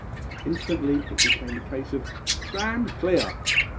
Instantly it became a case of `stand clear!'